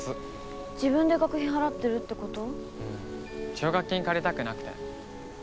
奨学金借りたくなくて。